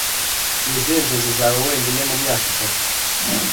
Ni izihe nzozi zawe wenyine mu myaka itanu?